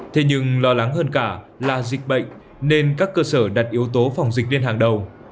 thế nhưng lo lắng hơn cả là dịch bệnh nên các cơ sở đặt yếu tố phòng dịch lên hàng đầu